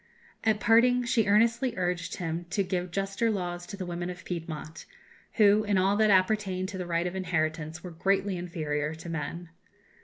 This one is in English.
At parting she earnestly urged him to give juster laws to the women of Piedmont, who, in all that appertained to the right of inheritance, were greatly inferior to men.